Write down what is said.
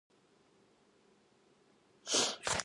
この辺りで一番高い建物って、おそらく市役所じゃないかな。